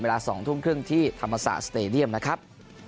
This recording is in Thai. เวลา๒๐๓๐ธรรมสาวส์สเตรดียมนะครับ